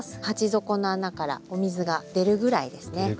鉢底の穴からお水が出るぐらいですね。